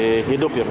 masih hidup ya